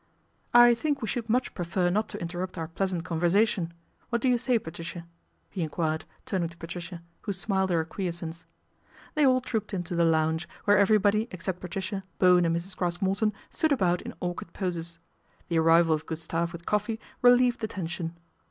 " I think we should much prefer not to interrupt our pleasant conversation. What do you say, Patricia ?" he enquired, turning to Patricia, who smiled her acquiescence. They all trooped into the lounge, where every body except Patricia, Bowen and Mrs. Craske Morton stood about in awkward poses. The arrival of Gustave with coffee relieved the tension.